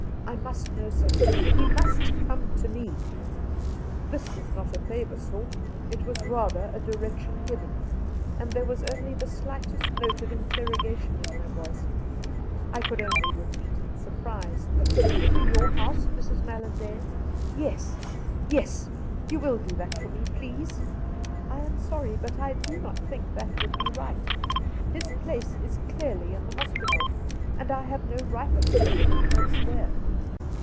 I must nurse him! He must come to me !' This was not a favour sought, it was rather a direction given, and there was only the slightest note of interrogation in her voice. I could only repeat in surprise :' To your house, Mrs. MaUandane T ' Yes — yes ! You will do that for me, please ?'' I am sorry, but I do not think that would be right. His place is clearly in the hospital, and I have no i ight to take him elsewhere.'